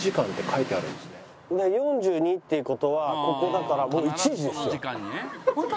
４２っていう事はここだからもう１時ですよ。